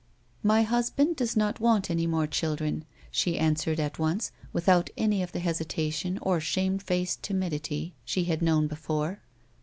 " My husband does not want any more children," she answered at once, without any of the hesitation or shame faced timidity she had shown before.